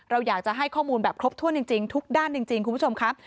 เราอยากจะให้ข้อมูลแบบครบถ้วนจริงทุกด้านจริงคุณผู้ชมครับ